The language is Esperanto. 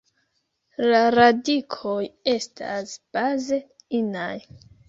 La radikoj estas baze inaj.